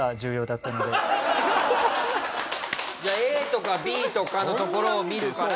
じゃあＡとかＢとかのところを見るから。